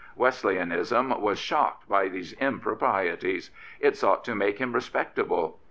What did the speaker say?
Wesleyanism was shocked by these improprieties. It sought to make him respectable.